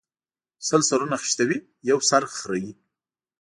سل سرونه خشتوي ، يو سر خريي